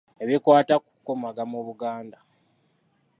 Ebikwata ku kukomaga mu Buganda.